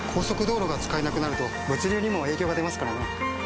速道路が使えなくなると物流にも影響が出ますからね。